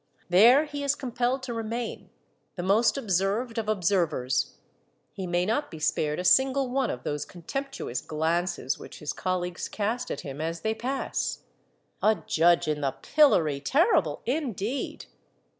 There he is compelled to remain, the most ob served of observers ; he may not be spared a single one of those contemptuous glances which his col leagues cast at him as they pass. 20 Monday TaleSo A judge in the pillory ! Terrible indeed